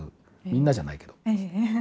みんなじゃないけど。